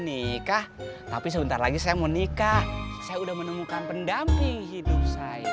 nikah tapi sebentar lagi saya mau nikah saya udah menemukan pendamping hidup saya